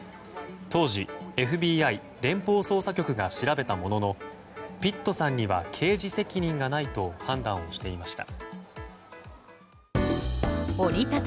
当時、ＦＢＩ・連邦捜査局が調べたもののピットさんには刑事責任がないと判断をしていました。